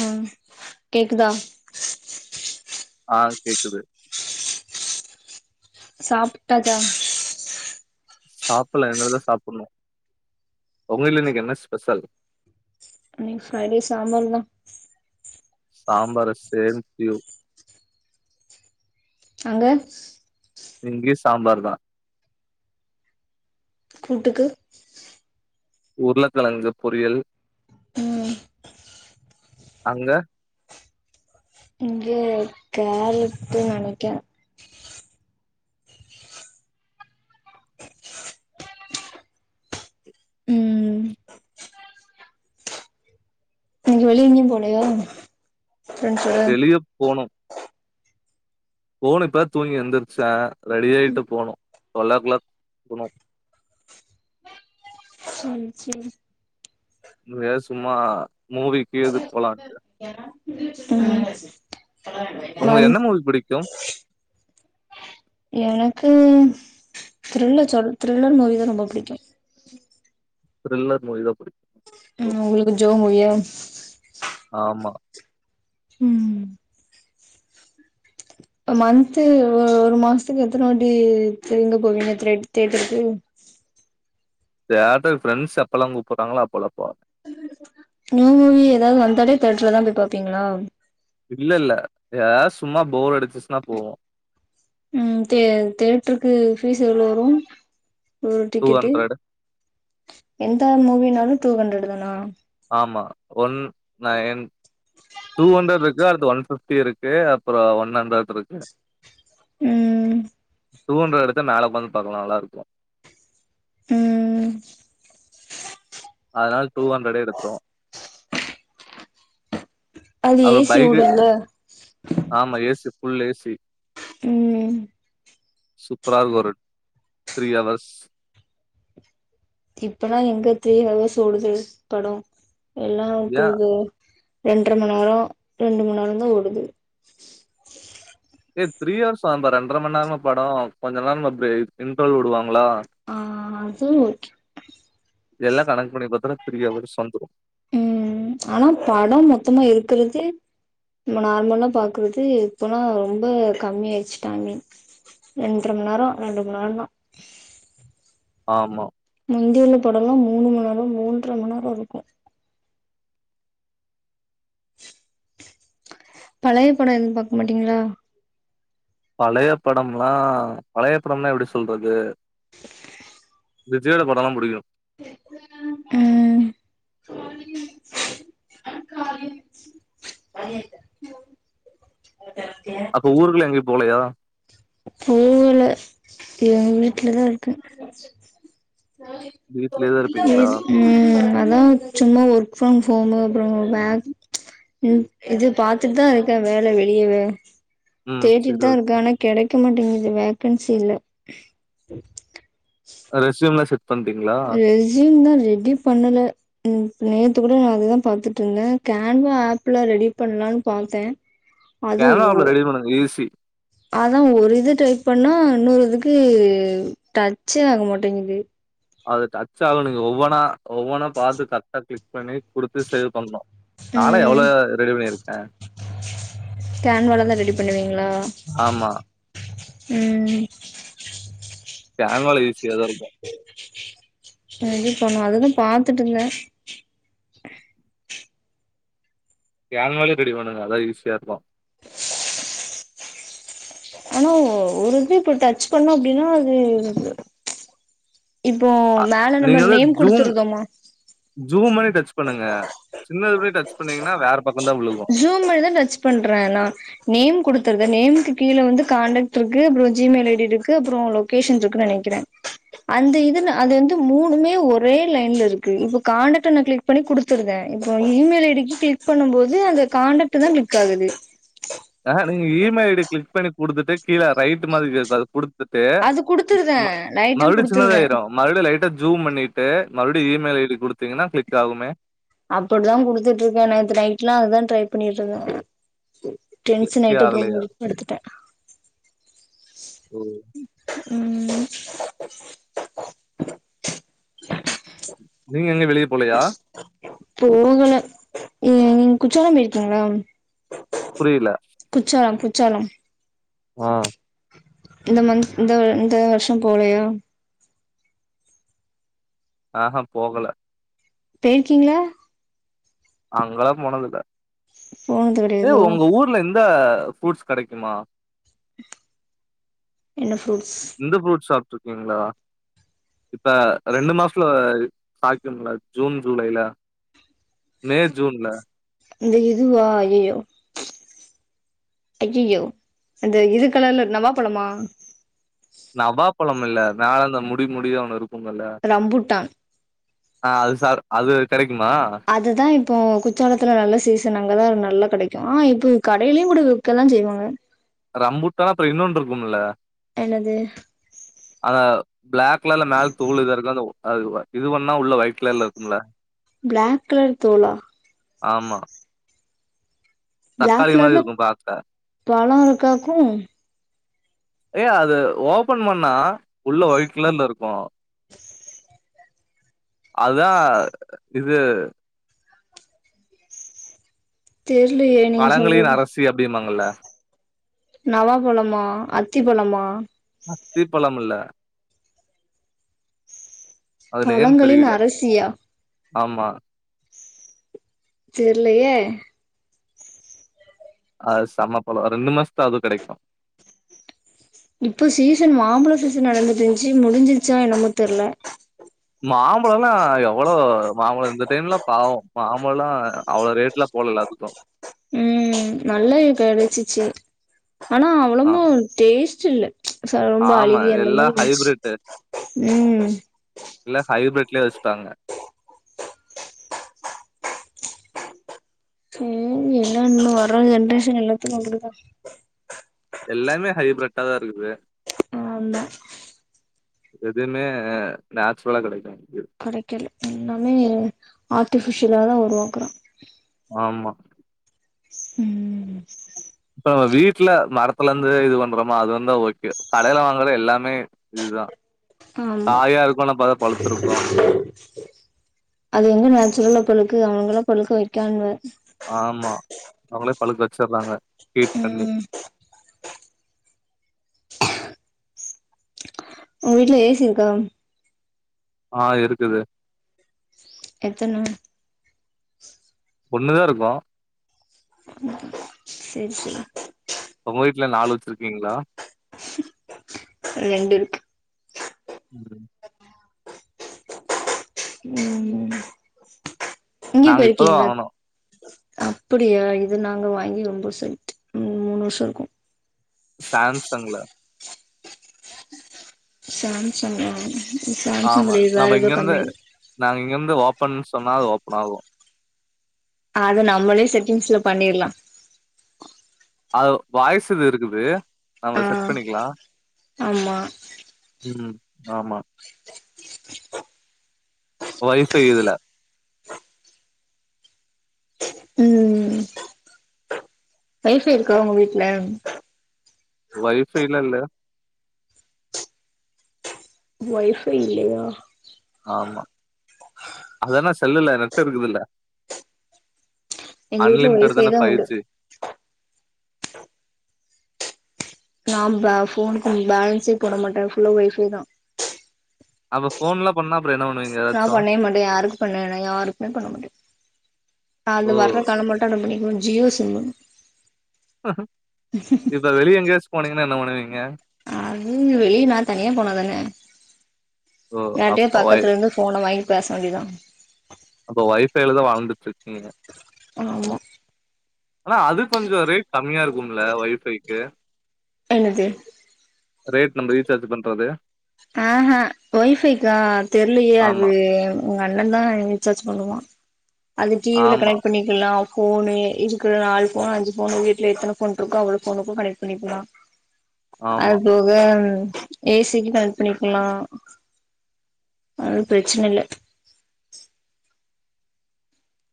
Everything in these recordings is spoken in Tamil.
ம் கேக்குதா ஆ கேக்குது சாப்பிட்டாச்சா சாப்பில இனிமேல்தா சாப்பிணு உங்க விட்ல இன்னிக்கு என்ன ஸ்பெஷல் இன்னிக்கு ஃபிரைடே சாம்பார்தா சாம்பார் சேம் டியூ அங்க இங்கியு சாம்பார்தா கூட்டுக்கு உருளக்கிழங்கு பொறியல் ம் அங்க இங்க கேரட்டு நெனைக்கே ம் இன்னிக்கு வெளிய எங்கையு போலயா ஃப்ரெண்ட்ஸோட வெளிய போனு போனு இப்ப தூங்கி எழுந்தருச்சே ரெடியிட்டு போனு டுவலோ கிளாக் போணு [unintelligible] வே சும்மா மூவிகி இது போலான்ட்டு ம் உங்களுக்கு மந் என்ன மூவி புடிக்கு எனக்கு த்ரில்லர் சொல் த்ரில்லர் மூவிதா ரொம்ப புடிக்கு த்ரில்லர் மூவிதா புடி ம் உங்களுக்கு ஜோ முய [unintelligible] ஆமா ம் மந்த்து ஒரு மந்துக்கு எத்தனவாட்டி எங்க போவீங்க தேட்தேட்டருக்கு தியேட்டர்க்கு ஃப்ரெண்ட்ஸ் எப்பெல்லா கூப்பறாங்களோ அப்பெல்லா போவ நியூ மூவி ஏதாவது வந்தாலே திட்டர்லதா போய் பாப்பீங்களா இல்ல இல்ல ஏ சும்மா ஃபோர் அடிச்சின்னா போவோ ம் தே தேட்டருக்கு பீஸ் எவ்ளோ வரு ஒரு டூ டிக்கெட்டு ஹண்ட்ரட் எந்த மூவினாலு டூ ஹண்ட்ரட் தானா ஆமா ஒன் நையன் டூ ஹண்ட்ரட் இருக்கு அடுத்து ஒன் பிப்டி இருக்கு அப்புறோ ஒன் ஹண்ட்ரட் இருக்கு ம் டூன்றட் எடுத்த மேலவுகந்து பாக்கலா நல்லா இருக்கு ம் அதனால டூ ஹண்ட்ரடே எடுத்துறோ அது ஏசி ஒடுல்ல ஆமா ஏசி ஃபுல் ஏசி ம் சூப்பராருக்கு ஒரு த்ரீ அவர்ஸ் இப்பலா எங்க த்ரீ ஹவர்ஸ் ஓடுது படம் எல்லாம் ஏ உட்டுது ரெண்டரமண் நேரம் ரெண்டுமண் நேரம் தான் ஓடுது ஏ த்ரீ அவர்ஸ் ஆகும்பா ரெண்டரமண் நேரமா படம் கொஞ்சம் நேரமா பிரே இன்டர்வல் உடுவாங் ஆ அதும் குட் இதெல்லாம் கணக்கு பண்ணி பாத்தாலே த்ரீ ஹவர்ஸ் வந்துரும் ம் ஆனா படம் மொத்தமா இருக்கிறதே நம்ம நார்மல்லா பாக்கறகு இப்பெல்லாம் ரொம்ப கம்மிய ஆயிச்சிதானே ரெண்டர மணி நேரம் ரெண்டு மணி நேரம் தான் ஆமா முந்தியுள்ள படலாம் மூணு மந்நேரம் மூன்ற மந்நேரம் இருக்கும் பழைய படம் எதுவும் பாக்க மாட்டீங்களா பழைய படம்லாம் பழைய படம்னா எப்டி சொல்றது விஜயோட இது படலாம் புடிக்கும் ம் அப்போ ஊருக்குலா எங்கியு போலையா இல்லங்க வீட்லத இருக்கே வீட்லயேதா இருப்பீங்களா ம் அதான் சும்மா ஒர்க் ஃப்ரம் ஹோமு அப்றோ பேக் இது பாத்துட்டு தான் இருக்கே வேல வெளியவே ம் சரி கேட்டுட்டுதான் ஓகே இருக்கே ஆனா கெடைக் க மாட்டேங்குது வேகன்சி இல்ல [inaudible] ரெஸ்யூம்லா செட் பண்ட்டீங்களா ரெஸ்யூமு ரெடி பண்ணல ம் நேத்து கூட நா அதுதான் பாத்துட்டு இருந்தேன் கேன்வா ஆப்லா ரெடி பண்ணலான்னு பாத்தே கேன்வா ஆஃப்ல ரெடி பண்ணுங்க ஈசி அதான் ஒரு இது டைப் பண்ணா இன்னொரு இதுக்கு டச்சே ஆக மாட்டேங்கிது அது டச்சாகும் நீங்க ஒவ்வொன்னா ஒவ்வொன்னா பாத்து கரெட்டா கிளிக் பண்ணி குடுத்து சேவ் பண்ணும் நானே ம் எவ்ளோ ரெடி பண்ணிருக்கேன் கேன்வால தா ரெடி பண்ணுவீங்களா ஆமா ம் கேன்வால ஈ சியாத தான் இருக்கும் நா அதுதா பண்ணுவ அததான் பாத்துட்டு இருந்தேன் கேன்வாலே ரெடி பண்ணுங்க அதா ஈஸியா இருக்கும் ஆனா ஒரு இது இப்ப டச் பண்ணோம் அப்டின்னா அது இப்போ அ மேல நம்ம நீங்க வந்து நேம் ஜூம் குடுத்துருக்கமா ஜூம் பண்ணி டச் பண்ணுங்க சின்னது பண்ணி டச் பண்ணீங்கன்னா வேற பக்கம் தா விழுகு ஜூமதா டச் பண்றேன் நா நேம் குடுத்தர நேமு கீழ வந்து கான்டெக்ட் இருக்கு அப்றோ ஜிமெயில் ஐ டி இருக்கு அப்றோ லொகேஷன் இருக்குன்னு நெனக்குறே அந்த இது நா அது வந்து மூனுமே ஒரே லைன்ல இருக்கு இப்ப காண்டெக்ட் நா கிளிக் பண்ணி குடுத்துருந்தே இப்ப இ மெயில் ஐ டிக்கு கிளிக் பண்ணும் போது அந்த கான்டெக்ட் தா கிளிக் ஆகுது ஆ நீ இ மெயில் ஐ டிய கிளிக் பண்ணி குடுத்துட்டு கீழ ரைட் மாதிரி இருக்கு அது குடுத்து அது குடுத்துருதே நைட்டுன்னு மறுபடியு குடுத்துருதே சின்னதாயிரு மறுபடியு லைட் ஜூம் பண்ணிட்டு மறுபடியு இ மெயில் ஐ டி குடுத்தீங்கனா கிளிக் ஆகுமே அப்டிதா குடுத்துட்டு இருக்கே நேத்து நைட் எலா அதுதா ட்ரை பண்ணிட்டு இருந்தே டென்சன் கிளிக்கே ஆய்ட்டு போய் ஆகலையா மூடி படுத்துட்டே ஓ உம் நீங்க எங்க வெளிய போலயா போகல நீங்க குற்றாலம் போயிருக்கீங்ளா புரியல குற்றாலம் ஆ இந்த மந்த் இந்த வர் இந்த வர்ஷோ போலயா ஆஹா போகல போர்க்கீங்ளா அங்களா போனதில்ல போனது ஏ கெடயாதோ உங்க ஊர்ல இந்த ஃப்ரூட்ஸ் கெடைக்குமா என்ன ஃப்ரூட்ஸ் இந்த ஃப்ரூட் ஷாப் ருக்கீங்ளா இந்த ரெண்டு மாசத்ல காய்கும்ல ஜூன் ஜூலைல மே ஜூன்ல இந்த இதுவா ஐய்யயோ ஐய்யயோ அந்த இது கலர்ல நவா பழமா நவா பழம் இல்ல நா அதுல முடி முடி ஒன்னு இருக்கு ரம்புட்டான் ஆ அது சாப் அது கெடைக்கு அதுதா இப்போ குற்றாலத்ல நல்ல சீசன் அங்கதா நல்லா கெடைக்கு ஆ இப்போ கடைலயு கூட விக்கதா செய்வாங்க ரம்புட்டானா அப்றோ இன்னோன்னு இருக்கும்ல என்னது அந்த ப்ளாக் கலர்ல மேல தூள் இதா இருக்கு இது பண்ணா உள்ள ஒயிட் கலர்ல இருக்கும்ல ப்ளாக் கலர் தோலா ஆமா ப்ளப்ளாக் தக்காளி மாரி கலர்ல இருக்கு பாக்க பழோ இருக்காக்கு ஏ அத ஓபன் பண்ணா உள்ள வைட் கலர்லருக்கு அதா இது தெர்லயே நீங்க சொல்றது அல்ல நவா பழமா அத்தி பழமா அத்தி பழம் இல்ல அது நேம் பழங்களின் தெரியல அரசியா ஆமா தெர்லயே அ சமபழம் ரண்டு மாசத்தா அதுவு கெடைக்கு இப்போ சீசன் மாம்பழ சீசன் நடந்துட்ருந்ஞ்சு முடிஞ்சிச்சா என்னமு தெர்ல மாம்பழோலா எவ்வளோ மாம்பழம் இந்த டைம்ல பாவோ மாம்பழம்லா அவ்ளோ ரேட்லலா போல எல்லாத்துக்கு உ நல்லா கெடச்சிச்சு ஆனா ஆ அவ்ளோமெ டேஸ்ட் ஜில்ல ச ஆமா ரொம்பழுகி அந்த எல்லா மாரி இருன்ச்சு ஹைபிரிட்டு உ டாங்க சேரி என்ன இன்னு வர்ர ஜென்ரேஷன் எல்லாத்தக்கு கொண்டுடுதா எல்லாமே ஹைபிரட்டா தா இருக்குது ஆமா எதுமே நேச்ரலா கெடைக்கு கடைக்கல எல்லாமே ஆர்ட்டிபிஷியலா தா உருவாக்குறா ஆமா உ இப்ப நம்ம வீட்டுல மரத்துல இருந்து இது பண்றோமா அது வந்தா ஓகே கடையில வாங்கற எல்லாமே இதுதா ஆமா காயா இருக்கு ஆனா பாத்தா பழுத்திருக்கு அது எங்க நேச்சுரலா பழுக் கு அவனுங்களா பழுக்க வைக்கானுவ ஆமா அவங்களே பழுக்க வச்சற்றாங்க ஹீட் பண்ணி ம் உங்க வீட்ல ஏ சி இருக்கா ஆ இருக்குது எத்தன ஒன்னுதா இருக்கு சேரி சேரி உங்க வீட்ல நாலு வச்சிருக்கீங்களா ரெண்டு இருக்கு ம் ம் இங்கி நாங்க இப்பதா போயிருகிங்களா வாங்குனோ அப்பிடியா இது நாங்க வாங்கி ரொம்ப சல்ட்டு மூணு வருசோ இருக்கு சாம் சங்ல சாம் சங்கா இ சாம்சங் ஆமா இல்ல இது வேற நம்ம ஏதோ இங்கருந்து கம்பேனி நாங்க இங்கருந்து ஓப்பன் சொன்னா அது ஓபன் ஆகு அது நம்மளே செடிங்ஸ்ல பண்ணிரலா அது வாய்சுது இருக்குது ஆ நாம செட் பண்ணிகலா ஆமா ம் ஆமா [unintelligible] வைஃபை இதுல ம் வைஃபை இருக்க உங்க வீட்டுல வைஃபல்லா இல்ல வைஃபை இல்லயா ஆமா அதான்னா செல்லுல நெட்டு இருக்குதுல எங்க வீட்டல வைஃபை உண்டு நாம்ப ஃபோனுக்கு பேலன்ஸ்சே போடமாட்டே ஃபுல்லா வைஃபையேதா அப்ப ஃபோன்லா பண்ணா அப்புற என்ன பண்ணுவீங்க நா ஏதாச்சு பண்ணவே மாட்டே யாருக்கு பண்ணவேன யாருக்குமே பண்ணமாட்டே ஓ அது வர்ற கால மாட்டு அட்டன் பண்ணிப்பே ஜியோ சிம்மு இப்ப வெளிய எங்கேச்சோ போனீங் இன்னு என்ன பண்ணுவீங்க அது வெளிய நா தனியா போனாதான ஓ யாரட்டயோ அப்ப வை பக்கத்துல இருந்து ஃபோன வாங்கி பேசவேண்டியதா அப்ப ஒய்ஃபைலதா வாழ்ந்துட்டு இருக்கீங்க ஆமா ஆனா அது கொஞ்சோ ரேட் கம்மியா இருக்கும்ல ஒய்ஃபைக்கு என்னது ரேட் நம்ம ரீசார்ஜ் பண்றது ஆ ஆஹ் ஒய்ஃபைக்கா தெரில்லயே ஆமா அது உங்க அண்ணதா ரீசார்ஜ் பண்ணுவா அது டிவியில ஆமா கனெக்ட் பண்ணிக்கலா ஃபோனு இருக்கிற நாலு ஃபோன் அஞ்சு ஃபோனு வீட்டுல எத்தன ஃபோன் இருக்கோ அவ்வளோ ஃபோனுக்கு கனெக்ட் பண்ணிக்லா அது ஆமா போக ஏசிக்கன பண்ணிக்கலா அது பிரச்சன இல்ல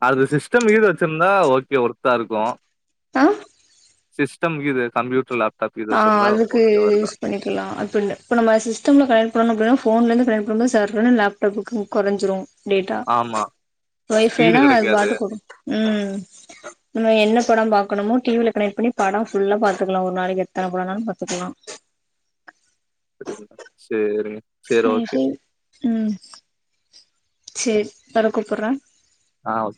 அது சிஸ்டம்கிது வச்சிருந்தா ஓகே ஒர்த்தா இருக்கு ஆ சிஸ்டம்கிது கம்ப்யூட்டர் லாப் ஆ அதுக்கு யூஸ் பண்ணிக்கலா அப்பின்னு இப்ப நம்ம சிஸ்டம்ல கனெக்ட் பண்ணணு அப்பிடின்னா ஃபோ ஃபோன்லருந்து கனெக்ட் பண்ணபோது சார்ன்னு லேப்டாப்புக்கு கொறஞ்சிரு டேட்டா ஆமா ஸ்பீடு ஒய்ஃபைனா அது கெடைக்காது பாட்டு கொடு ம் நம்ம என்ன படோ பா க்கனமோ டிவில கனெ்ட் பண்ணி படோ ஃபுல்லா பாத்துக்கல ஒரு நாளுக்க எத்தன பட வேணுனாலு பாத்துக்கலா அப்பிங்களா சே சேரி ஓகே ம் சேரி பர கூப்பாரே ஆ ஓ